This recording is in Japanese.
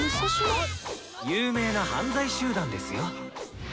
有名な犯罪集団ですよ。